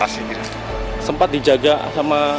sempat dijaga sama